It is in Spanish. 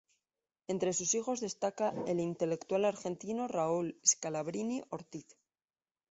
Entre sus hijos destaca el intelectual argentino Raúl Scalabrini Ortiz.